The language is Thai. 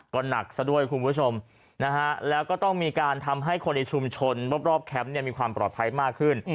ก็หนักซะด้วยคุณผู้ชมนะฮะแล้วก็ต้องมีการทำให้คนในชุมชนรอบแคมป์มีความปลอดภัยมากขึ้น